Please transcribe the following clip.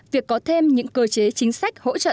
việc có thêm những cơ chế chính sách hỗ trợ